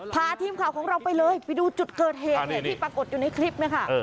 พาทีมข่าวของเราไปเลยไปดูจุดเกิดเหตุเนี่ยที่ปรากฏอยู่ในคลิปนะคะ